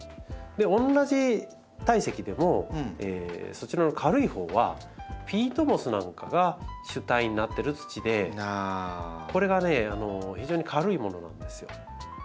同じ体積でもそちらの軽いほうはピートモスなんかが主体になってる土でこれがね非常に軽いものなんです。